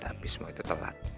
tapi semua itu telat